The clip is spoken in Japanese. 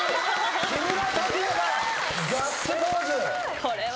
木村拓哉がガッツポーズ！